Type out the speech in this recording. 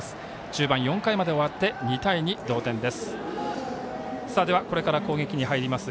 中盤４回まで終わって２対２、同点です。